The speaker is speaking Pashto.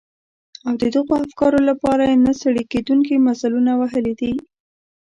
او د دغو افکارو لپاره يې نه ستړي کېدونکي مزلونه وهلي دي.